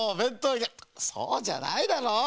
そうじゃないだろ。